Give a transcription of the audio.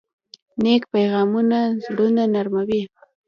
نیک پیغامونه زړونه نرموي.